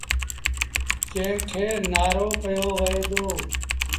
جݩهݩ کي نآرو ڪهيو وهي دو۔